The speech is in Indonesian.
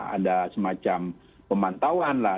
ada semacam pemantauan lah